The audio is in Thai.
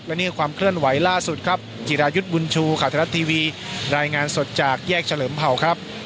และนี่คือความเคลื่อนไหวล่าสุดครับจิรายุทธ์บุญชูข่าวไทยรัฐทีวีรายงานสดจากแยกเฉลิมเผ่าครับ